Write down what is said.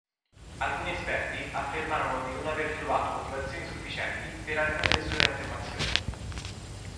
Alcuni esperti affermarono di non aver trovato motivazioni sufficienti per alcune delle sue affermazioni.